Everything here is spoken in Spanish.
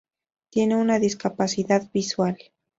Tiene una discapacidad visual.